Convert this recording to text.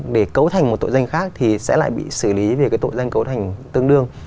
để cấu thành một tội danh khác thì sẽ lại bị xử lý về cái tội danh cấu thành tương đương